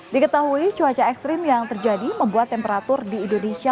diketahui cuaca ekstrim yang terjadi membuat temperatur di indonesia